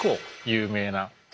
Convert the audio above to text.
有名な。